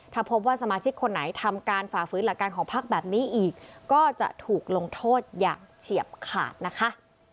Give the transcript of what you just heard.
ถ้าพบว่าสมาชิกคนไหนทำการฝ่าฝืนหลักการของพักแบบนี้อีกก็จะถูกลงโทษอย่างเฉียบขาดนะคะ